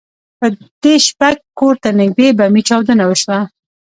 په دې شپه کور ته نږدې بمي چاودنه وشوه.